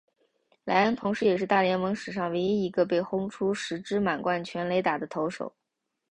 莱恩同时也是大联盟史上唯一一个被轰出十支满贯全垒打的投手。